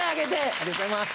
ありがとうございます。